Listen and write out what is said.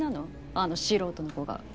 あの素人の子が。